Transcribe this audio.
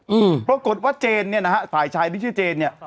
อืมปรากฏว่าเจนเนี่ยนะฮะฝ่ายชายที่ชื่อเจนเนี่ย